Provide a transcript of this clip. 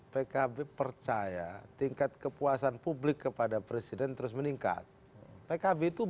pkb percaya tingkat kepuasan publik kepada presiden terus meningkat